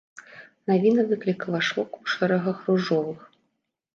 Навіна выклікала шок у шэрагах ружовых.